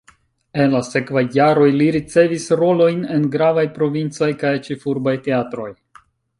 En la sekvaj jaroj li ricevis rolojn en gravaj provincaj kaj ĉefurbaj teatroj.